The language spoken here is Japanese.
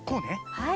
はい。